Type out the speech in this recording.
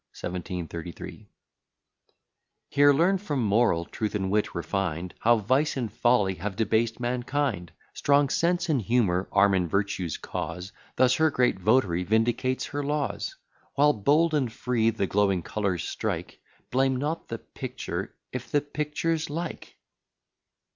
1733 "Here learn from moral truth and wit refined, How vice and folly have debased mankind; Strong sense and humour arm in virtue's cause; Thus her great votary vindicates her laws: While bold and free the glowing colours strike; Blame not the picture, if the picture's like."